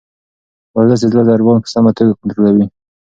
ورزش د زړه ضربان په سمه توګه کنټرولوي.